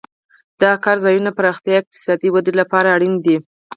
د کار ځایونو پراختیا د اقتصادي ودې لپاره اړینه ده.